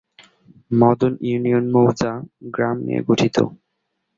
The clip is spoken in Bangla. মদন ইউনিয়ন মৌজা/গ্রাম নিয়ে গঠিত।